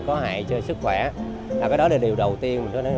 có hại cho sức khỏe là cái đó là điều đầu tiên